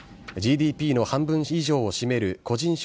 ＧＤＰの半分以上を占める個人